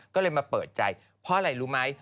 ก็เลยมาเปิดใจเพราะอะไรรู้ไหม